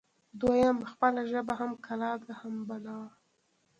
دویم: خپله ژبه هم کلا ده هم بلا